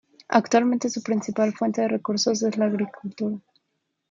Actualmente su principal fuente de recursos es la agricultura.